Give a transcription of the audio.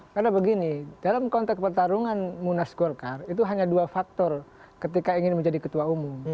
karena begini dalam konteks pertarungan munas golkar itu hanya dua faktor ketika ingin menjadi ketua umum